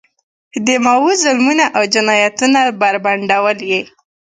د ماوو ظلمونه او جنایتونه بربنډول یې.